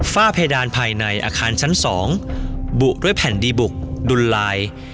ฝ้าเพดานภายในอาคารชั้น๒บุด้วยแผ่นดีบุกดุลลาย